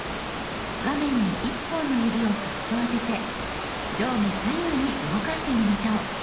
画面に１本の指をそっと当てて上下左右に動かしてみましょう。